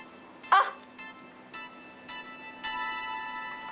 あっ。